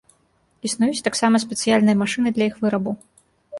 Існуюць таксама спецыяльныя машыны для іх вырабу.